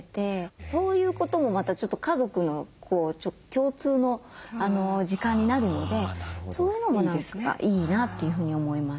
そういうこともまたちょっと家族の共通の時間になるのでそういうのも何かいいなというふうに思います。